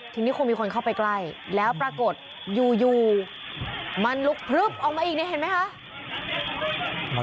ทีนี้คงมีคนเข้าไปใกล้แล้วปรากฏอยู่มันลุกพลึบออกมาอีกเนี่ยเห็นไหมคะ